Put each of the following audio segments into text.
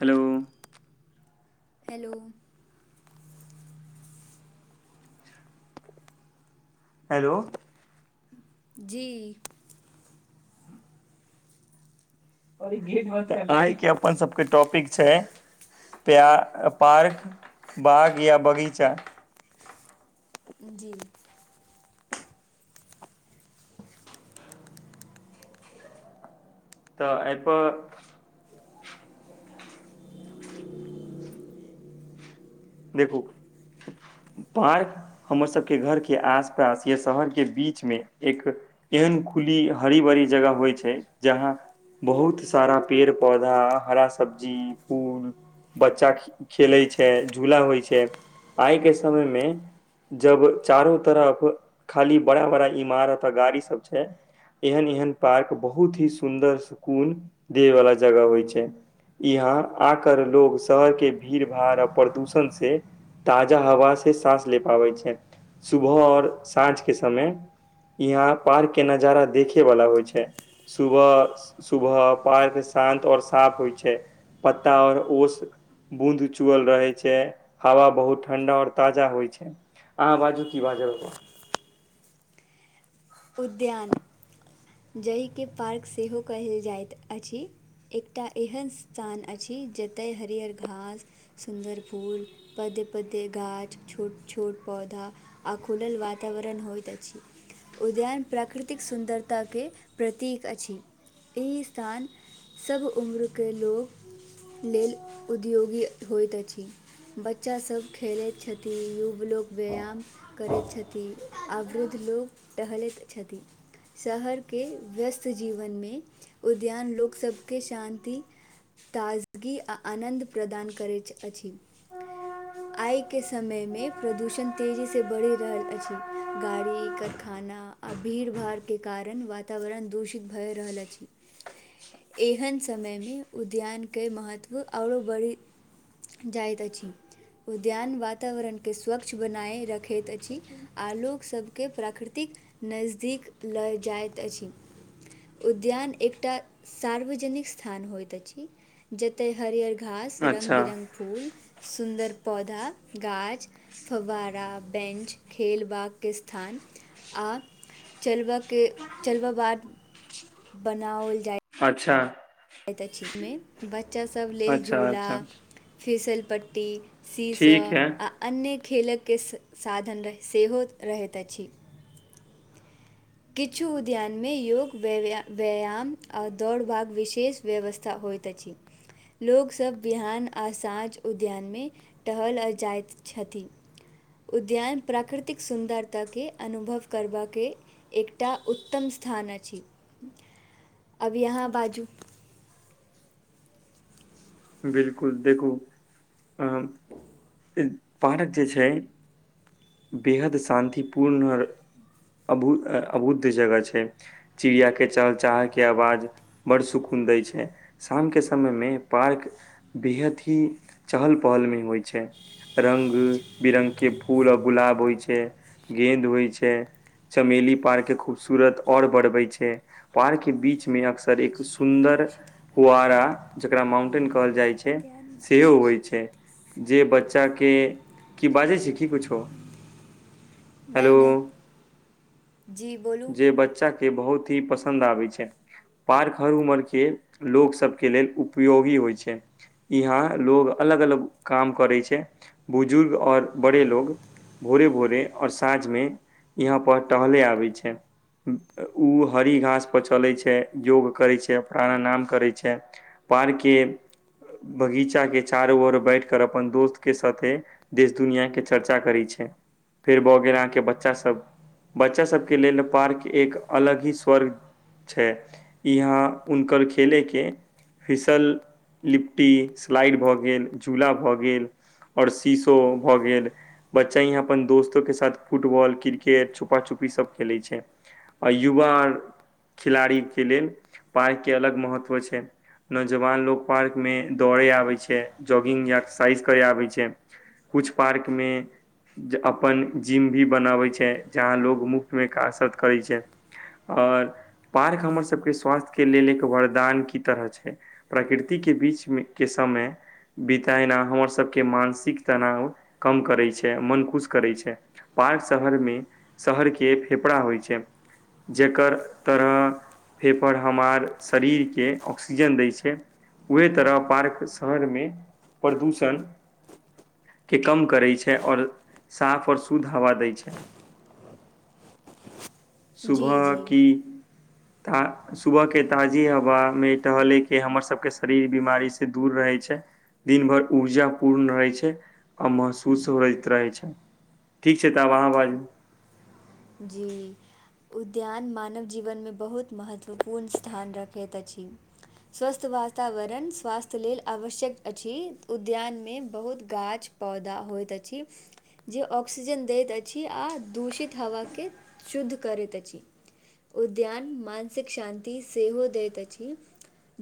Hello hello hello जी आय के अपन सबके टॉपिक छै प्य पार्क बाग या बगीचा जी तऽ एहिपर देखू पाई हमर सबके घरके आसपास या शहरके बीचमे एक एहन खुली हरी भरी जगह होइ छै जहाँ बहुत सारा पेड़ पौधा हरा सब्जी फूल बच्चा खेलै छै झूला होइ छै आइ के समयमे जब चारो तरफ खाली बड़ा बड़ा इमारत आ गाड़ी सब छै। एहन एहन पार्क बहुत ही सुन्दर सुकून देय वाला जगह होइ छै यहा आकर लोग शहर के भीड़ भाड़ प्रदूषण से ताजा हवा से सांस ले पाबै छै सुबह आओर साँझ के समय यहाँ पार्क के नजारा देखे वाला होइ छै सुब सुब पार्क शान्त और साफ होइ छै पत्ता आऔर ओस बूँद चुअल रहै छै हवा बहुत ठंडा और ताजा होइ छै अहाँ बाजू की बाजब उद्यान जाहिके पार्क सेहो कहल जाइत अछि। एकटा एहन स्थान अछि जतय हरहर घास सुन्दर फूल पदे पदे गाछ छोट छोट पौधा आ खुलल वातावरण होइत अछि, उद्यान प्राकृतिक सुन्दरता ताकी के प्रतीक अछि, एहि स्थान सब उम्रके लोक लेल उद्योगी होइत अछि, बच्चासभ खेलैत छथि। युव लोक व्यायाम करैत छथिन, आ वृद्ध लोक टहलैत छथि। शहरके व्यस्त जीवनमे उद्यान लोक सबके शान्ति ताजगी आ आनन्द प्रदान करैत अछि। आइके समयमे प्रदूषण तेजीसँ बढ़ि रहल अछि। गाड़ी कारखाना आ भीड़- भाड़के कारण वातावरण दूषित भए रहल अछि। [inaudible] एहन समयमे उद्यानके महत्व आओर बढ़ि जाइत अछि। उद्यान वातावरण के स्वच्छ बनाय रखैत अछि, आ लोक सब के प्राकृत तीक नजदीक लऽ जाइत अछि। उद्यान एकटा सार्वजनिक स्थान होइत अछि। जते हरियर घास रंग अच्छा बिरंग फूल सुन्दर पौधा गाछ फवहारा बेंच खेल बाग के स्थान आ चलब के चलबऽ बाद बनाओल जाइ अच्छा। मे, बच्चा सब लेल अच्छा झूला अच्छा फिसल पट्टी शी- ठीक शाॅ है आ अन्य खेलकके साधन सेहो रहैत अछि। किछु उद्यानमे योग व्यायाम - व्याम आ दौड़बाध विशेष व्यवस्था होइत अछि। लोको सब बिहान आ साँझ उद्यान में टहल जाइत छथिन। उद्यान प्राकृतिक सुन्दरताके अनुभव करबाके एकटा उत्तम स्थान अछि, अभि अहाँ बाजू। बिलकुल देखू अ इ पार्क जे छै बेहद शान्तिपूर्ण अ अभुत- अभुत जगह छै। चिड़िया के चहचाहा के आवाज बड़ सुकून दै छै, शाम के समय में पार्क बेहद ही चहल पहल मे होइ छै। रंग- बिरंग के फूल आर गुलाब होइ छै, गेंद होइ छै। चमेली पार्क के खूबसूरत और बढ़बै छै। पार्क के बीच में अक्सर एक सुन्दर फुआरा ज जकरा माउंटेन कहल जाइ छै सेहो होइ छै। जे बच्चा के की बाजै छिये की कुछो। हेलो नै-नै, जी बोलू। जे बच्चा के बहुत ही पसन्द आबे छै, पार्क हर उमर के लोक सब के लेल उपयोगी होइ छै। यहाँ लोग अलग अलग काम करे छै, बुजुर्ग और बड़े लोग। भोरे -भोरे और साँझ मे यहाँ पर टहले आबै छै। उ हरी घास पर चलै छै, योग करै छै प्राणाम नाम करै छै। पार्क के बगीचा के चारो ओर बैठ कर अपन दोस्त के साथे देश दुनिया के चर्चा करै छै, फेर भऽ गेल अहाँके बच्चा सब बच्चा सब के लेल पार्क एक अलग ही स्वर्ग छै, यहाँ हुनकर खेले के फिसल लिपट्टी स्लाईड भ गेल झूला भ गेल और शीसो भ गेल बच्चा इहा अपन दोस्तो के साथ फुटबॉल क्रिकेट छुपाछुपी सब खेलै छै आ युवा आर खिलाड़ी के लेल पाइ के अलग महत्व छै। नौजवान लोग पार्क में दौड़े आबे छै जॉगिंग या एक्सरसाइज करे आबे छै। कुछ पार्क मे ज अपन जिम भी बनाबे छै जहा लोग मुफ्त मे कारसत करै छै ओर पार्क हमर सबके स्वास्थ के लेल एक वरदान की तरह छै। प्रकृति के बीच मे के समय बितेना हमर सबके मानसिक तनाव कम करै छै मन खुश करै छै। पार्क शहर मे शहर के फेफड़ा होइ छै जकर तरह फेपर हमार शरीर के ऑक्सीजन दै छै उहे तरह पार्क शहर मे प्रदूषण के कम करै छै और साफ और शुद्ध हवा दै छै। जी सुबह जी की ता सुबह के ताजी हवा मे टहलैके हमर सब के शरीर बीमारी सऽ दूर रहै छै। दिन भर ऊर्जा पूर्ण रहै छै आ महसूस होइत रहै छै। ठीक छै तऽ आब अहाँ बाजू जी उद्यान मानव जीवन मे बहुत महत्वपूर्ण स्थान रखैत अछि। स्वस्थ वातावरण स्वास्थ लेल आवश्यक अछि उद्यान मे बहुत गाछ पौधा होइत अछि जे ऑक्सीजन दैत अछि आ दूषित हवा के शुद्ध करैत अछि। उद्यान मानसिक शान्ति सेहो दैत अछि।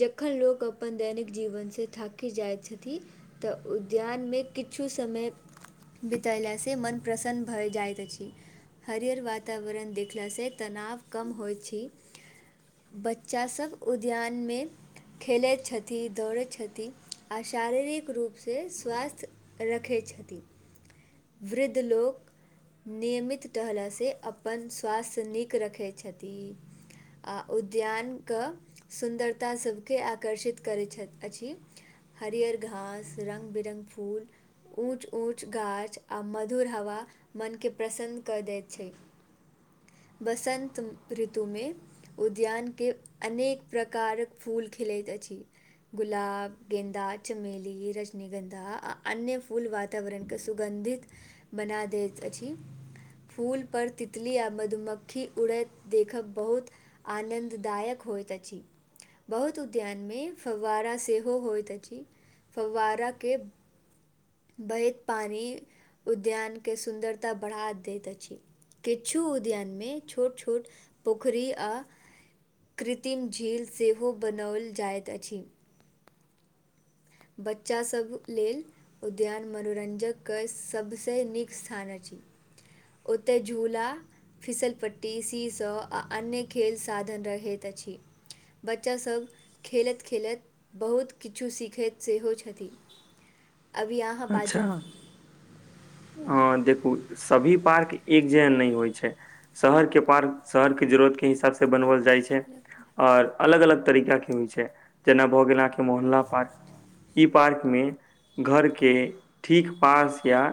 जखन लोक अपन दैनिक जीवन सँ थाकि जाइत छथि। तऽ उद्यान मे किछु समय बितेला से मन प्रसन्न भ जाइत अछि हरियर वातावरण देखला सँ तनाव कम होय छी। बच्चा सब उद्यान मे खेलैत छथि दौड़ैत छथि आ शारीरिक रूप सऽ स्वास्थ रखै छथि। वृद्ध लोक नियमित टहल से अपन स्वास्थ नीक रखै छथि। आ उद्यान क सुन्दरता सब के आकर्षित करै छैथ अछि। हरियर घास रंग- बिरंग फूल ऊँच-ऊँच गाछ आ मधुर हवा मनके प्रसन्न कऽ दै छै। बसंन्त ऋतु मे उद्यान के अनेक प्रकारक फूल खिलैत अछि। गुलाब, गेंदा, चमेली, रजनीगंन्धा आ अन्य फूल वातावरण के सुगन्धित बना देत अछि। फूल पर तितली आ मधुमक्खी उड़ैत देखब बहुत आनंददायक होयत अछि। बहुत उद्यान मे फववाड़ा सेहो होइत अछि। फववाड़ा के बहैत पानी उद्यान के सुन्दरता बढ़ा दैत अछि। किछु उद्यान मे छोट-छोट पोखरि आ कृतिम झील सेहो बनौल जाइत अछि। बच्चा सभ लेल उद्यान मनोरंजक क सब से नीक स्थान अछि। ओतेऽ झूला फिसलपट्टी, सीऽशऽ आ अन्य खेल साधन रहैत अछि। बच्चा सब खेलैत-खेलैत बहुत किछु सीखैत सेहो छथि। अभी अहाँ बाजू। अच्छा। ह देखू सभी पार्क एक जेहन नैय होय छै। शहर के पार्क शहर के जरूरत के हिसाब से बनवल जाय छै। और अलग-अलग तरीका के होय छै, जेना भऽ गेल आहाँ के मोहल्ला पार्क। ई पार्क मे घर के ठीक पास या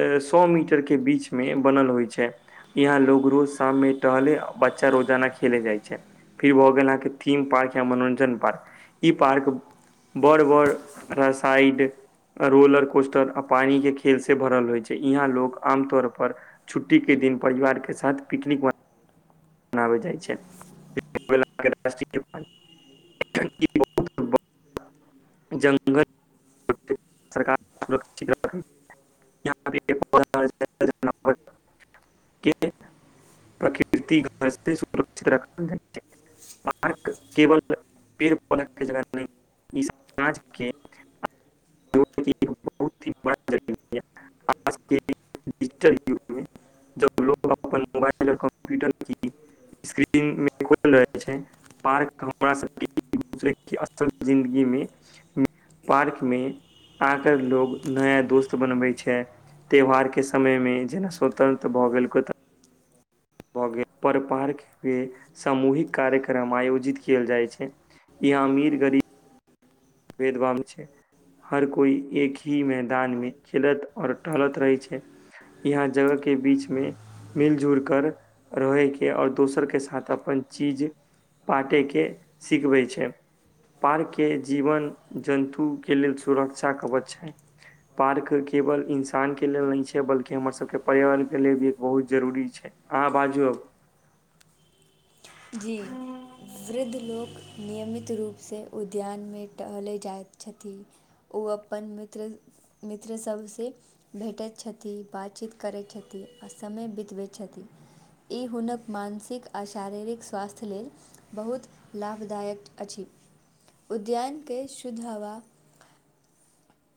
ए सौ मीटर के बीच मे बनल होय छै। यहाँ लोग रोज शाम मे टहले बच्चा रोजाना खेले जाय छै। फिर भऽ गेल आहाँ के थीम पार्क या मनोरंजन पार्क, ई पार्क बड़-बड़ रऽ साइड रोलर कोस्टर आ पानि के खेल से भरल होय छै, ईहाँ लोग आमतौर पर छुट्टी के दिन परिवार के साथ पिकनिक बन नाबे जाय छैय [unintelligible] [unintelligible] जंगल [unintelligible] सरकार सुरक्षित रखै [unintelligible] [unintelligible] के प्रकृति घर से सुरक्षित रखल जाई छै। पार्क केवल पेड़ पौधा के जगह नहीं इ समाज के [unintelligible] [unintelligible] डिजिटल युग मे जब लोग अपन मोबाइल कम्प्यूटर की स्क्रीन मे रहे छै पार्क हमरा सबके [unintelligible] असल जिन्दगी में, पार्क में आंकर लोग नया दोस्त बनबै छै। त्यौहार के समय में जेना स्वतंत्र भऽ गेल कोय त भऽ गेल, पर पार्क मे सामूहिक कार्यक्रम आयोजित केल जाय छै। या अमीर गरीब भेदभाव नै छैय। हर कोइ एक ही मैदान मे खेलत और टहलत रहैत छै। यहाँ जगह के बीच में मिल जुलि कर रहयके और दोसरके साथ अपन चीज पारटै के सिखबै छै, पार्क के जे जीवन जन्तु के लेल सुरक्षा कवच है। पार्क केवल इंसान के लेल नहि छै बल्कि हमर सब के पर्यावरण के ले भी एक बहुत जरुरी छै। अहाँ बाजू अब। जी, वृद्ध अब लोक नियमित रूप से उद्यान में टहले जाइत छथि। ओ अपन मित्र-मित्र सबसे भेटैत छथि, बातचीत करैत छथि आ समय बितबैत छथि। ई हुनक मानसिक आ शारीरिक स्वास्थ्य लेल बहुत लाभदायक अछि। उद्यान के शुद्ध हवा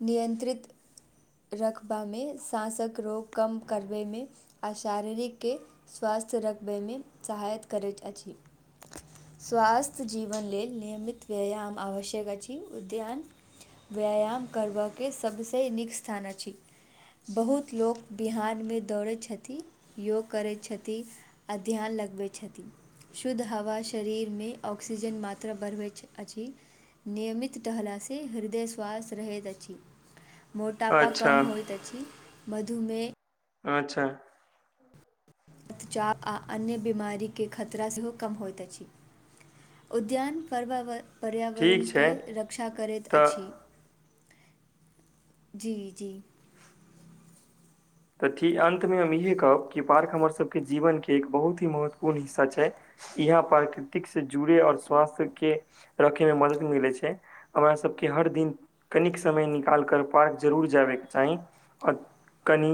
नियंत्रित रखबा मे साँसक रोग कम करबै मे आ शारीरिक के स्वास्थ्य रखबय मे सहायता करैत अछि। स्वास्थ्य जीवन लेल नियमित व्यायाम आवश्यक अछि। उद्यान व्यायाम करबयके सभसँ नीक स्थान अछि। बहुत लोक बिहान मे दौड़ै छथि, योग करै छथि। आ ध्यान लगबैत छथि। शुद्ध हवा शरीर मे ऑक्सीजन मात्रा बढ़बैत अछि। नियमित टहला से हृदय श्वास रहैत अछि मोटापा अच्छा कम होइत अछि मधुमेह अच्छा रक्तचाप आ अन्य बीमारीके खतरा सेहो कम होइत अछि। उद्यान परवाव - पर्यावरण ठीक छै केँए रक्षा करैत तऽ अछि। जी जी, थि अंत मे हम इहे कहब कि पार्क हमर सबके जीवन के एक बहुत ही महत्वपूर्ण हिस्सा छै। इहे पर कृति से जुड़े आऔर स्वास्थ्य के रखय मे मदद मिलैत छै हमरा सबके हर दिन कनिक समय निकालि कर पार्क जरूर जाबेके चाही और कनि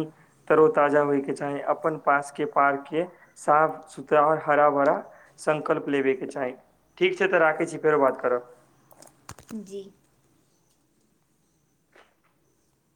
तरो ताजा होय के चाही अपन पास के पार्क के साफ सुद्ध और हरा भरा संकल्प लेबय के चाही ठीक छै तऽ राखय छी फेरो बात करब। जी